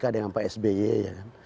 pak jk dengan pak sby ya kan